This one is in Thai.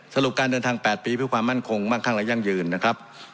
การเดินทาง๘ปีเพื่อความมั่นคงมั่งคั่งและยั่งยืนนะครับ